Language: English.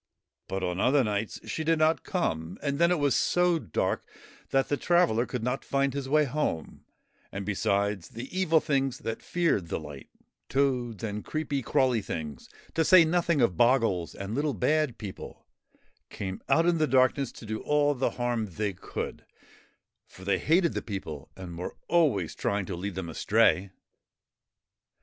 But on other nights she did not come, and then it was so dark that the traveller could not find his way ; and, besides, the Evil Things that feared the light toads and creepy, crawly things, to say nothing of Bogles and Little Bad People came out in the darkness to do all the harm they could, for they hated the people and were always trying to lead them astray.